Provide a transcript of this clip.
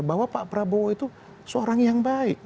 bahwa pak prabowo itu seorang yang baik